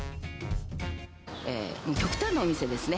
極端なお店ですね。